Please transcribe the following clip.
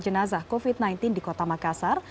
jenazah covid sembilan belas di kota makassar